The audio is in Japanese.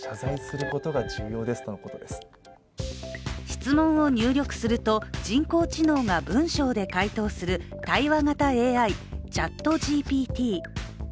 質問を入力すると、人工知能が文章で回答する対話型ＡＩ・ＣｈａｔＧＰＴ。